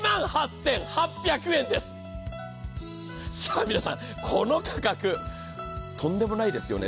さあ皆さん、この価格とんでもないですよね。